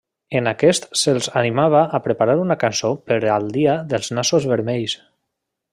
En aquest se'ls animava a preparar una cançó per al Dia dels Nassos Vermells.